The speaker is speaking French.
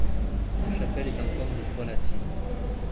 La chapelle est en forme de croix latine.